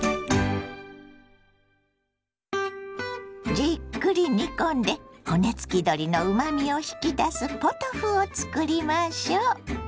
じっくり煮込んで骨付き鶏のうまみを引き出すポトフを作りましょ。